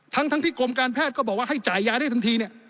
ทั้งที่กรมการแพทย์ก็บอกว่าให้จ่ายยาได้ทันทีเนี่ย